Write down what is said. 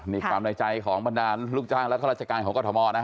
นี่ความในใจของบันดาลลุคจ้างและท่ารรจกาลเกาะธม